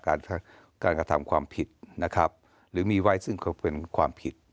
การกระทำความผิดหรือมีไว้ซึ่งเป็นความผิด